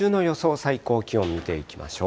最高気温見ていきましょう。